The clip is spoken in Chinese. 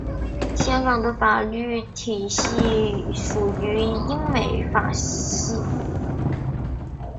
香港的法律体系属于英美法系。